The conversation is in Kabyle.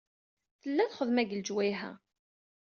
Tella lxedma deg leǧwayeh-a.